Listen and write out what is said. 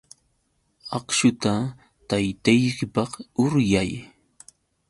Akśhuta taytaykipaq uryay.